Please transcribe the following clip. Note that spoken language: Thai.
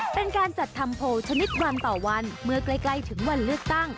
เป็นการจัดทำโพลชนิดวันต่อวันเมื่อใกล้ถึงวันเลือกตั้ง